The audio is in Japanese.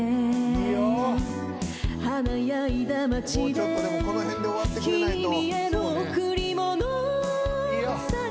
もうちょっとこのへんで終わってくれないと。